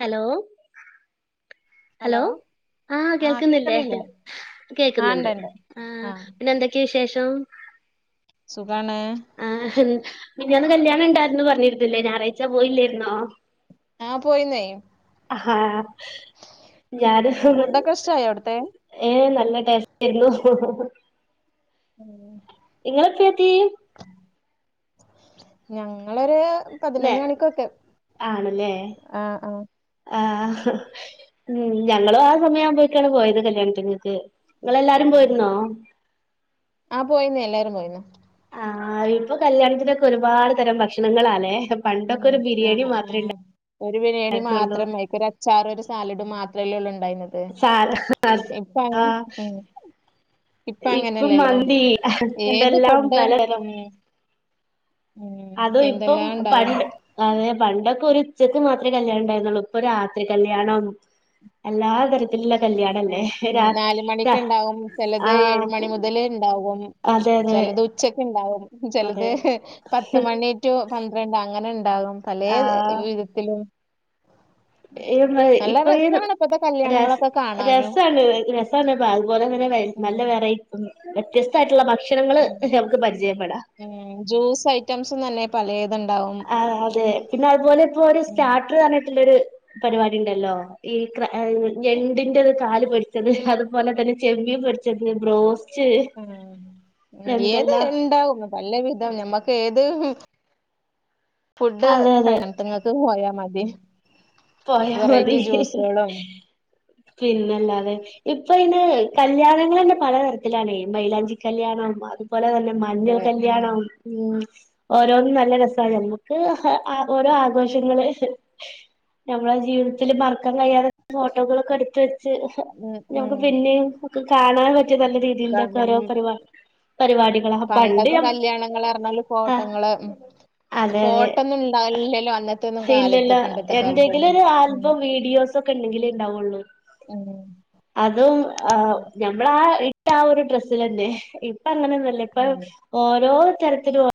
Hello hello ആഹ ആഹ് കേൾക്കുന്നില്ലേ കേക്കണില്ലേ ആഹ് കേൾക്കുന്നുണ്ട് ഇണ്ട് ഇണ്ട് ആ ആഹ് പിന്നെ എന്തൊക്കെയ വിശേഷം ഷം സുഖാണ് ആ പിന്നന്ന് കല്യാണം ഉണ്ടായിരുന്നു പറഞ്ഞിരുന്നില്ലേ ഞായറാഴ്ച്ച പോയില്ലരുന്നോ ആഹ പോയിന്നായി ആഹ ഉം ഞാനും ഫുഡൊക്കെ ഇഷ്ടായോ അവിടുത്തെ ഏ നല്ല ടേസ്റ്റ് ആയിരുന്നു ഹ ഉം നിങ്ങനൊക്കത്തി ഞങ്ങളൊരു ന്നേ പതിനൊന്ന് മണിക്കൊക്കെ ആ ആ ആ ഉ ഞങ്ങളും ആ സമയം ആവുമ്പോഴേക്കാണ് പോയത് കല്യാണത്തിങ്ങക്ക് നിങ്ങളെല്ലാരും പോയിരുന്നോ ആ പോയിന്ന എല്ലാരും പോയിന്ന ആ ഇപ്പൊ കല്യാണത്തിനൊക്കെ ഒരുപാട് തരം ഭക്ഷണങ്ങളാല്ലേ ഉ പണ്ടൊക്കെ ഒരു ആ ബിരിയാണി ആ മാത്രമേ ഒരു ബിരിയാണി ഉണ്ടായിരുന്നുള്ളൂ മാത്രം മ ഒരു അച്ചാറും ഒരു സാലഡ് മാത്രം സ ഇപ്പ അങ്ങനെ ആ ഉം ഇപ്പ ഇപ്പം അങ്ങനെയല്ലല്ലോ മന്തി ഏത് എന്തെല്ലാം ഫുഡും തലതരം ഉം ഉം അത ഇപ്പം എന്തെല്ലാം ഉണ്ടാവും പണ്ട് അതെ പണ്ടൊക്കെ ഒരു ഉച്ചക്ക് മാത്രമേ കല്യാണം ഉണ്ടായിരുന്നുള്ളൂ ഇപ്പൊ രാത്രി കല്യാണം അല്ലാ കല്യാണം അല്ലേ ഉം ഉം രാ നാല് മണിക്ക് ഇണ്ടാവും ആഹ് ഏഴ് മണി മുതൽ ഉണ്ടാവും അതെ അതെ ചിലത് ഉച്ചക്ക് ഉണ്ടാവും അതെ ചിലത് പത്ത് മണി ടു പന്ത്രണ്ട് അങ്ങനെണ്ട് ഉണ്ടാകും പല ആഹ് വിധത്തിലും നല്ല ഇപ്പൊ രസാണ് ഇപ്പത്തെ രാ കല്യാണങ്ങളൊക്കെ കാണാനും രസമാണ് രസമാണ്പ്പ അതുപോലെ തന്നെ ഉം നല്ല വെറൈറ്റ വ്യത്യസ്തായിട്ടുള്ള ഭക്ഷണങ്ങള് ഉം നമക്ക് പരിചയപ്പെടാം ഉം ജ്യൂസ് ഐറ്റംസും തന്നെ പലേത്ണ്ടാവും ആ അതെ പിന്നെ അതുപോലെ ഇപ്പോ ഒരു ഉം സ്കാട്ടർ പറഞ്ഞട്ടുള്ളരു പരിപാടി ഉണ്ടല്ലോ ഈ എ- ഞണ്ടിന്റെ കാല് പൊരിച്ചത് അതുപോലെ തന്നെ ചെമീൻ പൊരിച്ചത് ബ്രോസ് ഉ ഏത് ഉണ്ടാവും പല വിധം ഞമ്മക്ക് ഏത് അത് ഫുഡ് അതെ അതെ കഴിക്കുന്നിടത്ത് പോയാ മതി പോയാ വെറൈറ്റി മതി ജ്യൂസുകളും പിന്നല്ലാതെ ഇപ്പൊ ഇന് കല്യാണങ്ങള് പലതരത്തിലാണ് മൈലാഞ്ചി കല്ല്യാണം അതുപോലെ തന്നെ ഉണ്ട് മഞ്ഞൾ ഉം കല്യാണം ഉ ഓരോന്നും നല്ല രസമാണ് നമ്മുക്ക് ഓരോ ആഘോഷങ്ങള് നമ്മളെ ജീവിതത്തില് മറക്കാൻ കഴിയാതത്ത് ഫോട്ടകളൊക്കെ എടുത്ത് ഉം ഉം ഞമുക്ക് പിന്നെയും കാണാൻ പറ്റിയ നല്ല രീതിൽ ക- ഞം ഓരോ പരിപാട് പണ്ടത്തെ കല്യാണങ്ങൾ എറണാകളു ആ കോട്ടങ്ങള് അതെ അതെ ഫോട്ടോന്നും ഇണ്ടാവില്ലല്ലോ അന്നത്തെന്നും കാലത്ത് പണ്ടത്തെ കാലത്ത് അതിലൊരു ആൽബം വീഡിയോസൊകെ ഒക്കെ ഉണ്ടെങ്കിലേ ഉണ്ടാവുള്ളൂ ഉം അതും ആ ഉം ഞമ്മളാ ആ ഒരു ഡ്രസ്സൽ തന്നെ ഇപ്പ അങ്ങനൊന്നല്ലേ ഇപ്പൊ ഉം ഓരോ തരത്തിലും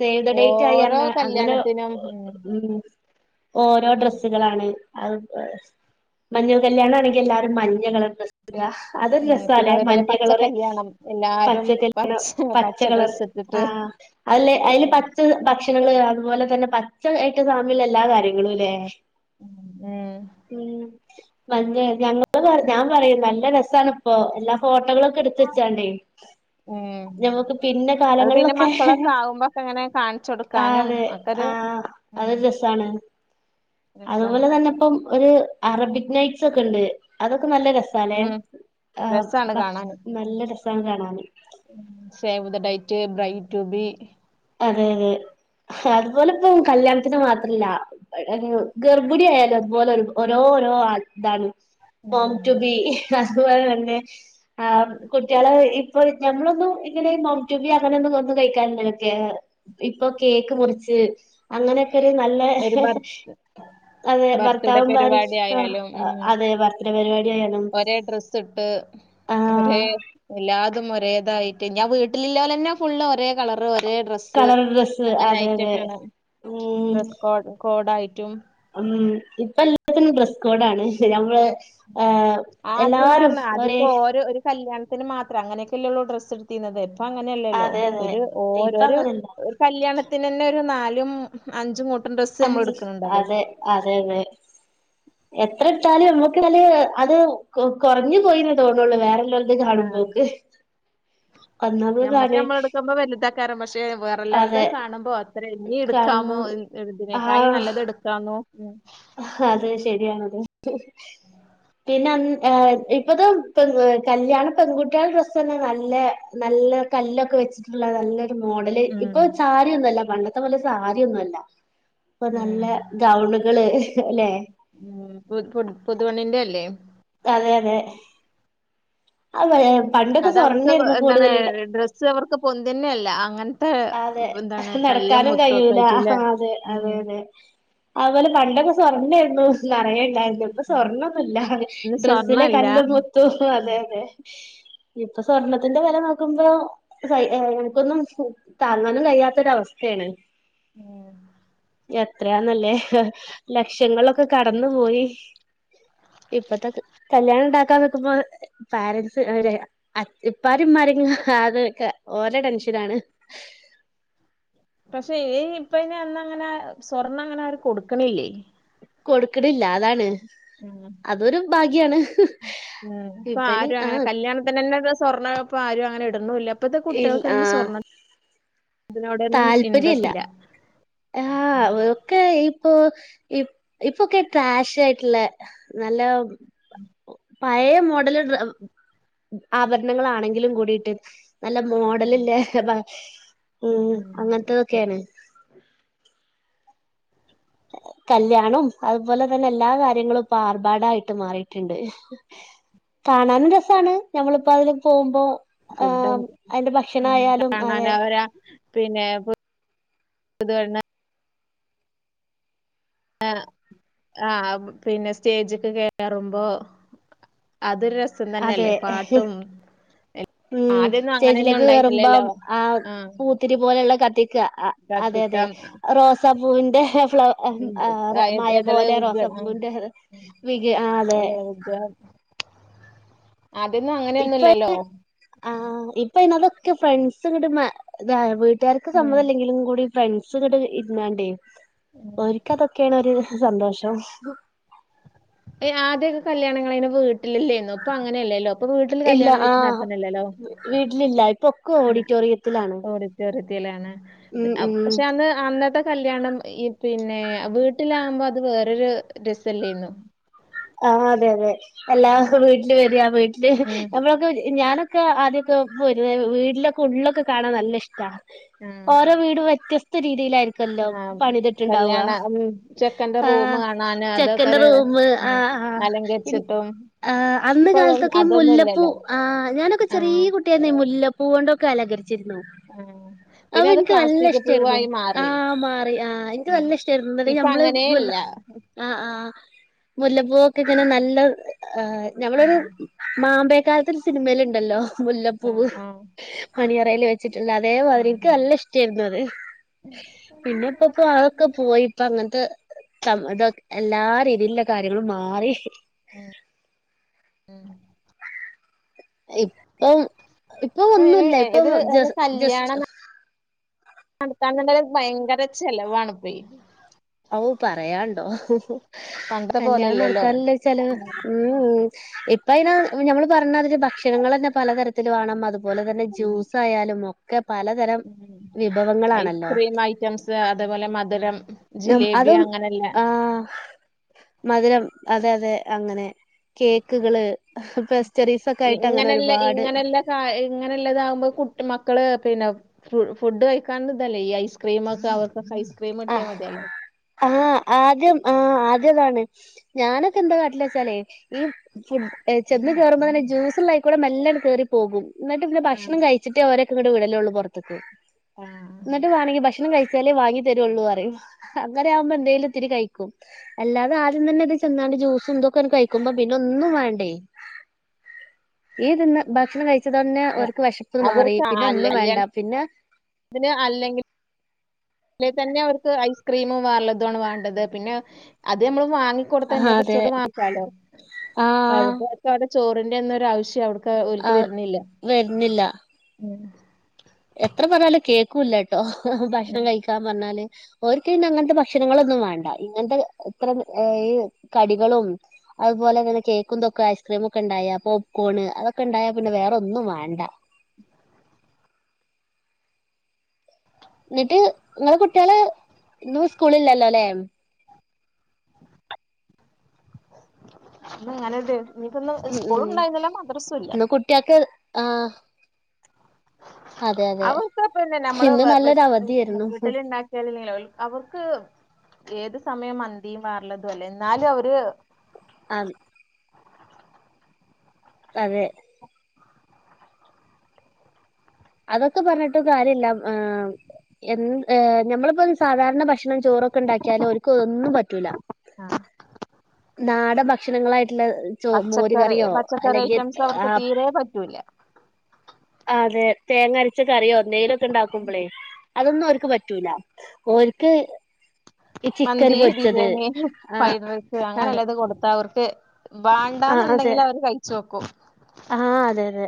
സേവ് ദ ഡേറ്റ് ആയി ഓരോ അന്ന അങ്ങനെ കല്യാണത്തിനും ഉം ഉ ഓരോ ഡ്രസ്സുകളാണ് മഞ്ഞൾ കല്യാണ ആണെങ്കിൽ എല്ലാരും മഞ്ഞ കളർ ഡ്രസ് അതൊരു ഉം പിന്നെ രസല്ലേ അതേപോലെ മഞ്ഞ പച്ച കളർ കല്യാണം എല്ലാരും പച്ചക്കല്ല് പച്ച കളർ ഡ്രസ്സ് ആ ഇട്ടിട്ട് അല്ലെഅതില് ഉം പച്ച ഭക്ഷണങ്ങള് കാണും അതുപോലെ തന്നെ പച്ചയായിട്ട് സാമ്യമുള്ള എല്ലാ കാര്യങ്ങളുംല്ലെ ഉം ഉ മഞ്ഞ ഞങ്ങ പറ ഞാൻ പറയും നല്ല രസമാണ് ഇപ്പോ എല്ലാ ഫോട്ടോ കുട്ടകളൊക്കെ എടുത്ത് വച്ചണ്ടേ ഉം. നമുക്ക് പിന്നെ അത് പിന്നെ കാലങ്ങളിലൊക്കെ മക്കളൊക്കെ ആവുമ്പോക്കെ ഇങ്ങനെ കാണിച്ചു ആ കൊടുക്കാനും അതെ ഒക്കൊരു ആ ഉം ആഅതൊരു രസാണ് അതുപോലെ രസാണത് തന്നെ ഇപ്പം ഒരു അറബിക് നൈറ്റ്സ് ഒക്കെ ഉണ്ട് അതൊക്കെ നല്ല രസാലേ ഉം ആ രസാണ് കാണാന് നല്ല രസം കാണാന് റ്റ് ബ്രൈഡ് ടൂ ബി അതെ അതെ അതുപോലെ ഇപ്പ കല്ല്യാണ ത്തിന് മാത്രല്ല ഗർഭിണിയ ആയാലോ അതുപോലെ ഓരോ ഓരോ ആ ഇതാണ് ഉം മാം ടൂ ബീ അതുപോലെ തന്നെ ആ കുട്ടികള ഇപ്പോ ഞമ്മളൊന്നും ഇങ്ങനെ മാംറ്റൂബി അങ്ങനെന്ന കഴിക്കാനോക്കെ ഇപ്പൊ കേക്ക് മുറിച്ച് അങ്ങനെയൊക്കെ ഒരു നല്ല ഒരു ബർ അതെ ബർത്ത്ഡേ ഭർത്താവും പരിപാടി ഭാര്യയും ആയാലും ഉം അതെ ബർത്തടെ പരിപാടി ഒരേ ഡ്രസ്സ് ഇട്ട് ആ ഒരേ എല്ലാതും ഒരേ വേദായിട്ട് ഞാൻ വീട്ടിലില് ഫുള്ള് ഓരോ കളർ കളർ ഡ്രസ്സ് അതെ അതെ ഉ ഡ്രസ് കോഡ് കോഡായിട്ടും ഉ ഇപ്പ എല്ലാത്തിനും ഡ്രസ് കോഡണ് അ ശരിയ നമ്മള് ഏ ആദ്യന്ന് എല്ലാരും പറഞ്ഞാ ഒരേ അതൊക്കെ ഓരോ ഒരു കല്യാണ ത്തിന് മാത്രം അങ്ങനൊക്കെല്ലേള്ളൂ ഡ്രസ് എടുത്തിന്നത് പ്പോ അങ്ങനെയല്ലല്ലോ അതെ അതെ ഒരു ഇപ്പ ഓരോ അങ്ങനല്ല കല്യാണത്തിന്ന്നെ നാലും അഞ്ച് മൊട്ട് അഞ്ച് അതെ അതെ അതെ എത്ര ഇട്ടാലും നമ നല്ല അത് കുറഞ്ഞു പോയിന്ന തോന്നുള്ളൂ വേറെല്ലാം കാണുമ്പോക്ക് മ്മക്ക് ഒന്നാമതാണ് നമ്മളെ എടുക്കുമ്പോ വലുതക്കാരും പക്ഷേ വേറെല്ലാവരുത അതെ കാണുമ്പോ അത്ര ഇനി കാണുമ്പോ എടുക്കാമോ ഇതിനേക്കായി നല്ലത് എടുക്കാന്നോ ഉ ഹാ അത് ശരിയാണത് [unintelligible] പിന്നെ മ്മ് ഏ ഇപ്പത് പെൺ കല്യാണ പെൺകുട്ടികള ഡ്രസ് തന്നെ നല്ല നല്ല നല്ല കല്ലൊക്കെ വെച്ചിട്ടുള്ള നല്ല മോഡല് ഉം ഇപ്പൊ സാരിയൊന്നുഅല്ല പണ്ടത്തെ പോലെ സാരിയൊന്നുഅല്ല ഇപ്പൊ നല്ല ഗൗണ്കള് ഉ പു പുതു പെണ്ണിന്റെ അല്ലേ അതെ അതെ ആ വെള്ള അത അവർക്ക് എന്താണ് ഡ്രസ്സ് അവർക്ക് പൊന്തുന്നെയല്ല അങ്ങനെ അതെ നടക്കാനും ഒക്കെ കഴിയൂല ഹാ ആയിട്ടില്ലേ അതെ അതെ ഉം അതെ അവലെ പണ്ടൊക്കെ സ്വർണ്ണ ആയിരുന്നു പഴയണ്ടാരുന്നുള്ളു ഉം ഇപ്പസ്വാർണ്ണോന്നുല്ല ഇന്ന് ഡ്രെസിലെ സ്വർണ്ണല്ല കല്ലും മുത്തും അതെ ഉം അതെ ഇപ്പൊ സ്വർണത്തിന്റെ വില നോക്കുമ്പോ സയി നമുക്കൊന്നും താങ്ങാനും കഴിയാത്തൊരവസ്ഥയാണ് ഉ [unintelligible] എത്രയാന്നല്ലേ ലക്ഷങ്ങളൊക്കെ കടന്ന് പോയി ഇപ്പത്തെ കല്യാണഉണ്ടാക്കാ നെക്കുമ്പോ പാരൻസ് അതെ ഇപ്പരും ഇമ്മാരും ഹാ അത്ക്കെ ഓരെ ടെൻഷനാണ് പക്ഷെ ഈ ഇപ്പ ഇന അന്ന അങ്ങനെ സ്വർ ണം അങ്ങനെ ആരും കൊടുക്കണില്ലേ കൊടുക്കണില്ല അതാണ് അതൊരു ഭാഗ്യാണ് അ ഇപ്പൊ ഇപ്പന് ആരും അങ്ങനെ ആഹ് കല്യാണത്തിന്റെന്നെ സ്വർണ്ണപ്പ ആരും അങ്ങനെ ഇടുന്നുല്ല ഇപ്പഴത്തെ ഇൽ കുട്ടികൾക്ക് അയിന് ആഹ് സ്വാർണം അതിനോടൊന്നും താല്പര്യല്ല ഇന്ട്രസ്റ്റ് ഇല്ല ആഹ് ഒക്കെ [unintelligible] ഓ ഇപ്പ ഇപ്പൊക്കെ ട്രാഷ ആയിട്ടുള്ള നല്ല ഉം [inaudible] പഴയ മോഡല് ഡ്ര ആഭരണങ്ങളാ ണെങ്കിൽ കൂടിയിട്ട് നല്ല മോഡല്ഇല്ലേ ഉം അങ്ങനത്തതൊക്കെയാണ്. ഓ [inaudible] കല്യാണവും അതുപോലെ തന്നെ എല്ലാ കാര്യങ്ങളും ഇപ്പൊ ആർഭാടായിട്ട് മാറിട്ടുണ്ട് കാണാനും രസാണ് ഞമ്മളിപ്പോ അതിലെ പോകുമ്പോ. ആ ഫുഡ് അതിന്റെ ഭക്ഷണയാലും കാണാൻ അതെ അവരാ പിന്നെ ഊ [unintelligible] ആ ആഹ പിന്നെ സ്റ്റേജക്കെ കയറുമ്പോ അതൊരു രസം തന്നെയല്ലേ അതെ പാട്ടും ഉം ആദ്യൊന്നും അങ്ങനെന്നും സ്റ്റേജിലേക്ക് ഉണ്ടായിരു കേറുമ്പം ന്നില്ലേല്ലോ ആ അത്യാ അ അതെ അതെ കത്തിക്കാം റോസപ്പൂവിന്റെ ഫ്ലോ [unintelligible] മഴ എതള പോോലെ വിഗണം റോസപ്പൂറെ വി അതെ [unintelligible] ഉ [inaudible] എതള വിഗ ആദ്യൊന്നും ഇപ്പൊ അങ്ങനെയൊന്നുംല്ലല്ലോ ആ [unintelligible] പിന്നെ അതൊക്കെ ഫ്രണ്ട്സും കത [unintelligible] വീട്ടുകാർക്ക് സമ്മതംല്ലെങ്കിലും കൂടി ഫ്രണ്ട്സ് കൂടെ ഇുന്നാണ്ടേ ഒര്ക്ക് അ തൊക്കെയാണ് ഒരു സന്തോഷം ഏ ആദ്യൊക്കെ കല്യാണങ്ങളായിനു വീ ല്ല ല്ല ല്ല ഇന്നു ഇപ്പൊ അങ്ങനെയല്ലല്ലോ അപ്പൊ വീട്ടിൽ ഇല്ല കല്യാണം ആ വെച്ച് നടത്തുനില്ലല്ലോ ക്കു ഓഡിറ്റോറിയത്തിലാണ് അ ഉം ഉം [unintelligible] കല്യാണം ഈ പിന്നെ വീട്ടിലാമ്പോ അത് വേറരു രസല്ലന്നു ആ അതെ അതെ എല്ലാഹ് വീട്ടില് വരിയാ വീട്ടില് ഉം നമ്മളൊക്കെ ഞാനൊെക്ക ക്കെ ആദ്യൊക്കെ പോരുവര് വീട്ടിലൊക്കെ ഉള്ളിലൊക്കെ കാണാൻ നല്ല ഇഷ്ടമാണ്. ഓരോ വീടും വ്യത്യസ്ത രീതിയിലായിരിക്കും ആ.. കല്യാണ ഉം.. ചെക്കന്റെ റൂം ആഹ് കാണാന് അതൊക്കെ ചെക്കന്റെ ഉം അലങ്കരിച്ചിട്ടും ആ അന്നതെ ഇപ്പൊ അതൊ- കാലത്തൊക്കെ ഈ അതൊന്നും മുല്ലപ്പൂ. ഇല്ലല്ലോ. ആ ഞാനൊക്കെ ആഹ് ചെറിയ കുട്ടിയായിരുന്നെ ഈ മുല്ലപ്പൂ കൊണ്ടൊക്കെ അലങ്കരി വെച്ചിരുന്നു ആഹ് അത് പിന്നെ എനിക്ക് നല്ല പ്ലാസ്റ്റിക് ഇഷ്ടായിരുന്നു പൂവായി മാറി. ആഹ് മാറി ആഹ് എനിക്ക് ഉം നല്ല ഇഷ്ടായിരുന്നു എന്ന ഇപ്പ അങ്ങനേ നമ്മള്ല്ല ഇല്ല. ആഹ ആഹ് മുല്ലപ്പൂൊക്കെ ഇങ്ങനെ നല്ലയൊരു ഞമ്മളൊരു ഉം മാമ്പ ക്കാലത്തിൽ സിനിമൽ ഉണ്ടല്ലോ മുല്ലപ്പു ആഹ് ആഹ് മണിയാറെയിൽ വെച്ചിട്ടുണ്ട് അതേമാതിരി ഉം എനിക്ക് നല്ല ഇഷ്ടമായിരുന്നു അത് പിന്നെപ്പോ അതൊക്കെ പോയിപോ അങ്ങനത്തെ ഇതൊ എല്ലാരും ഇതിയുള്ള കാര്യങ്ങളും മാറി ഇപ്പോ ഇപ്പോ ഇപ്പ ഏ ഒന്നുമല്ല ഇപ്പോ ഏതൊരു ജസ്റ്റ്‌ നടത്താൻതന്നെ ഭയങ്കര ചെലവാണ് ഇപ്പൊ [inaudible] ഔ പറയാണ്ടോ പണ്ടത്തെ കല്യാണം പോലെയല്ലല്ലോ നടത്താനല്ലേ ചെലവ് ഉം അപ്പ അതിനെ നമ്മള് പറഞ്ഞതില് ഭക്ഷണങ്ങൾ തന്നെ പലതരത്തിൽ വേണം അതുപോലെ തന്നെ ജ്യൂസ്സായാലും ഉം..... ഐസ്ക്രീം ഐറ്റംസ് അതേപോലെ മധുരം ജിലേബി അതും അങ്ങനെല്ല ആഹ മധുരം അതെ അതെ അങ്ങനെ കേക്കുകൾ ഇങ്ങനെല്ല ഇങ്ങനെല്ല ഇങ്ങനെല്ലതാകുമ്പോ കുട്ടി മക്കള് പിന്നെ ഫുഡ് കഴിക്കാതെ അല്ലേ ഈ ഐസ്ക്രീമ ഒക്കെ അവർക്കൊക്ക ഐസ്ക്രീമ ഒട്ട മതി അല്ല ആഹ് ആദ്യം ആഹ് ആദ്യതാണ് ഞാനൊക്കെ എന്താ കാട്ടില വച്ചാലേ ഈ ചെന്ന് കേയറ്പോ തന്നെ ജൂസിലായി കൂടെ മേലേ കയറി പോകും എന്നിട്ട് പിന്നെ ഭക്ഷണം കഴിച്ചിട്ട് അവരെ വിടലള്ളൂ പുറത്ത ആഹ് എന്നിട്ട് വാണെങ്കി ഭക്ഷണം കഴിച്ചാലേ വാങ്ങി വാങ്ങി തരുവോള്ളൂയെന്നു പറയും അങ്ങനെക്കുമ്പോ എന്തേലും ഇത്തിരി കഴിക്കും അല്ലാതെ ആദ്യതന്നെ ജ്യൂസ്‌ കഴിക്കുമ്പോ പിന്നെ ഒന്നും വേണ്ടേ ഇതു ഭക്ഷണം കഴി തന്നെ അവർക്ക് വിശപ്പ് മാറി പിന്നെ ഒന്നും വേണ്ട പിന്നെ അതിന് അല്ലെങ്കിൽ അല്ലെ തന്നെ അവർക്ക് ഐസ്ക്രീമും വേറെള്ളതമാണ് വേണ്ടത് പിന്നെ അത് നമ്മള് ങ്ങടു ആഹ് നമ്മെച്ചോ അതെ മാക്കാലോ ആഹ് അവർക്കു ചോറിന്റെവശ്യവില്ലലോ ഒരുക്ക് ആഹ് വരുന്നില്ല വരുന്നില്ല എത്ര പറഞ്ഞാലും കേക്കൂല്ല കേട്ടോ ഭക്ഷണം കഴിക്കാൻ പറഞ്ഞാൽ ഓർക്ക് അങ്ങനത്തെ ഭക്ഷണങ്ങള ഒന്നും വേണ്ട ഇങ്ങനത്തെ ഇത്ര ഈ കടികളും അതുപോലെ അങ്ങനെ കേക്കുംന്തൊക്കെ ഐസ്ക്രീമ ഒക്കെ ഉണ്ടായ പോപ്കോണ് അതൊക്കെ ഉണ്ടായ പിന്നെ വേറെൊന്നും വേണ്ട [inaudible] എന്നിട്ട് നിങ്ങളെ കുട്ടികള് ഇന്നും സ്കൂളില്ലല്ലോ അല്ലെ അങ്ങനെ നിനിക്കൊന്ന് ഉം ഉം സ്കൂളും ഇണ്ടായിരുന്നില്ല മദ്രസുംഇല്ല ഇന്ന് കുട്ടികൾക്ക് ആഹ് അതെ [unintelligible] അവർക്ക് പിന്നെ നമ്മള് ഇന്ന് വേ നല്ലൊരു അവധിയായിരുന്നു വീട്ടിലെ ഉണ്ടാക്കിയാലല്ലെങ്കിൽ അവർക്ക് ഏത് സമയം മന്തിയും വേറെയുള്ളത് അല്ലേ എന്നാലും അവര് ആം അതെ അതൊക്കെ പറഞ്ഞിട്ടൊ കാര്യയില്ല എന്ത്‌ നമ്മളിപ്പോ സാധാരണ ഭക്ഷണം ചോറൊക്കെ ഉണ്ടാക്കിയാലും ഓർക്ക് ഒന്നും പറ്റൂല ആം.... നാടൻ ഭക്ഷണങ്ങളായി് ചോ പച്ചക്കറി മോരുകറിയോ പച്ചക്കറി അല്ലെങ്കിൽ ഐറ്റംസ് ആ അവർക്ക് തീരെ പറ്റൂല ആ അതെ തേങ്ങ അരച്ച കറിയോ എന്തേലും ഒക്കെ ഉണ്ടാക്കുമ്പോളേ അതൊന്നും അവർക്ക് പറ്റൂല്ല ഓർക്ക് മന്തി ബിരിയാണി ആഹ് ഫ്രൈഡ് റൈസ് അങ്ങനെ അതെ എല്ലാ ഇതും കൊടുത്ത അവർ വെ വേണ്ടാന്നുണ്ടെങ്കിൽ അവര് കഴിചോക്കും ആഹ അതെ അതെ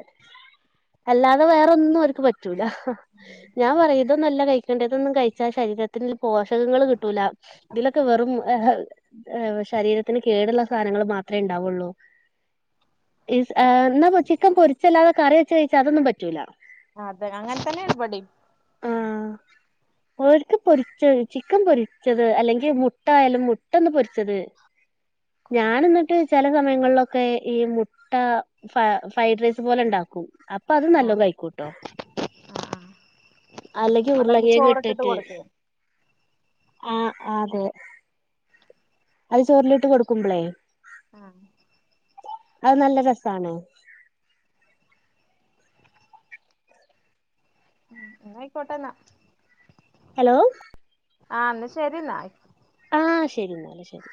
അല്ലാതെ വേറെന്നും അവർക്ക് പറ്റൂല ഞാൻ പറയതൊന്നും അല്ല കഴിക്കേണ്ടതൊന്നും കഴിച്ചാൽ ശരി ശരീരത്തിൽ പോഷകങ്ങൾ കിട്ടൂല ഇതിലൊക്കെ വെറും ശരീരത്തിന് കേടുള്ള സാധങ്ങൾ മാത്രമേ ഉണ്ടാവുള്ളൂ എന്നാ ചിക്കൻ പൊരിച്ചല്ലാതെ കറി വെച്ച് കഴിച്ചാ അതൊന്നും പറ്റൂല അതെ അങ്ങനെ തന്നെ ഇവടേം ആഹ ഒക്ക് പൊരിച്ചത് ചിക്കൻ പൊരിച്ചത് അല്ലെങ്കിൽ മുട്ടായാലും മുട്ട ഒന്ന് പൊരിച്ചത് ഞാന എന്നിട്ട് ചില സമയങ്ങളിലൊക്കെ ഈ മുട്ട ഫ ഫ്രൈഡ് റൈസ് പോലെ ഉണ്ടാക്കും അപ്പ അത് ആഹ് നല്ലോണം കഴക്കൂട്ടോ ആഹ് ആഹ് അല്ലെങ്കിൽ ന്നട്ടയില് ഉരുളകിഴങ് ചോറിട്ടിട്ട് ഇട്ടിട്ട് കൊടുക്കേ ആ അതെ അത് ചോറിലിട്ട് കൊടുക്കുമ്പളേ ആഹ് അത് നല്ല രസാണ് എന്ന ആയിക്കോട്ടെന്നാ ഹലോ ആഹ ശരി എന്നാ ആഹ ശരി എന്നാൽ ശരി